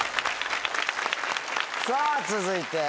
さぁ続いて。